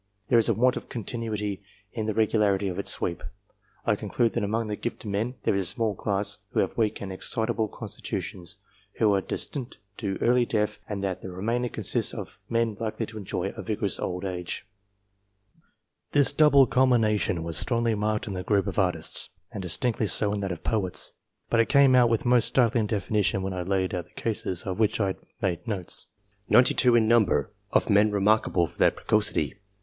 There is a want of continuity in the regularity of its sweep. 'M conclude that among the gifted men, there is a small class who have weak and excitable constitutions, who are destined to early death, but that the remainder consists of men likely to enjoy a vigorous old age^> This double culmination was strongly marked in the group of Artists, and distinctly so in that of the Poets, but it came out with most startling definition when I laid out the cases, of which I had made notes, 92 in number, of men remarkable for their precocity.